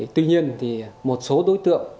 tuy nhiên một số đối tượng